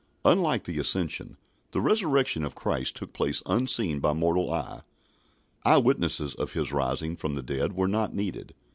Unlike the Ascension, the Resurrection of Christ took place unseen by mortal eye. Eye witnesses of His rising from the dead were not needed.